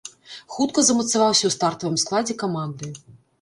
Хутка замацаваўся ў стартавым складзе каманды.